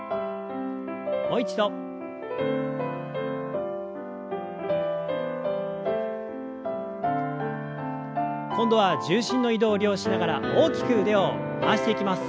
もう一度。今度は重心の移動を利用しながら大きく腕を回していきます。